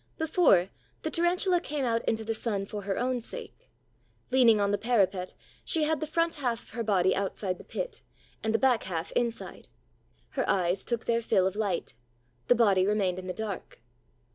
Before, the Tarantula came out into the sun for her own sake. Leaning on the parapet, she had the front half of her body outside the pit and the back half inside. Her eyes took their fill of light; the body remained in the dark.